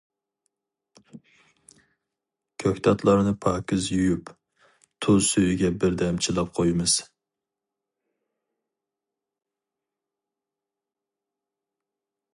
كۆكتاتلارنى پاكىز يۇيۇپ، تۇز سۈيىگە بىردەم چىلاپ قويىمىز.